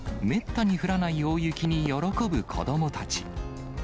めったに降らない大雪に喜ぶ子どもたち。